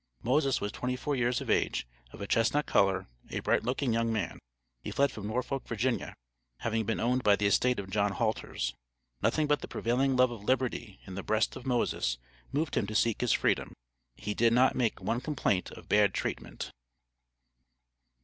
Moses was twenty four years of age, of a chestnut color, a bright looking young man. He fled from Norfolk, Virginia, having been owned by the estate of John Halters. Nothing but the prevailing love of liberty in the breast of Moses moved him to seek his freedom. He did not make one complaint of bad treatment.